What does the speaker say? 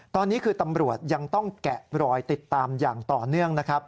ตอนนี้คือตำรวจยังต้องแกะรอยติดตามอย่างต่อเนื่องนะครับ